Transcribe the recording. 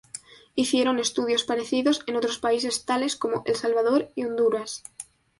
Hicieron estudios parecidos en otros países tales como El Salvador y Honduras.